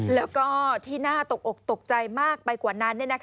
แล้วก็ที่น่าตกอกตกใจมากไปกว่านั้น